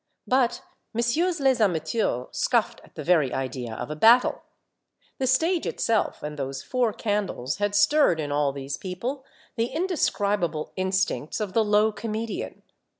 But Messieurs les amateurs scoffed at the very idea of a battle. The stage itself and those four candles had stirred in all these people the indescribable instincts of the low comedian.